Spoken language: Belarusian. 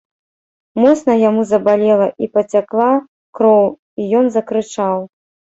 Моцна яму забалела, і пацякла кроў, і ён закрычаў.